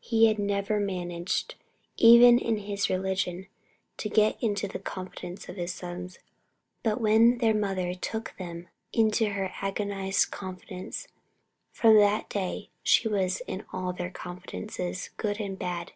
He had never managed, even in his religion, to get into the confidence of his sons; but when their mother took them into her agonised confidence, from that day she was in all their confidences, good and bad.